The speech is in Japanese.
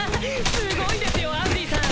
すごいですよアンディさん！